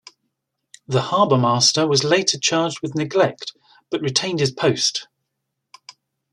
The harbormaster was later charged with neglect, but retained his post.